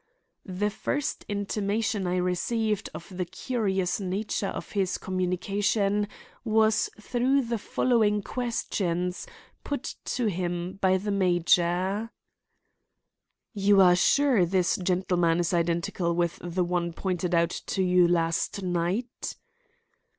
The first intimation I received of the curious nature of his communication was through the following questions, put to him by the major: "You are sure this gentleman is identical with the one pointed out to you last night?"